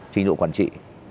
trình độ quản trị